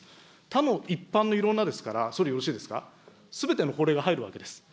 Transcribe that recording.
他の一般のいろんなですから、総理よろしいですか、すべての法令が入るわけです。